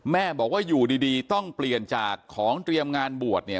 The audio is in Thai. แม่บอกว่าอยู่ดีต้องเปลี่ยนจากของเตรียมงานบวชเนี่ย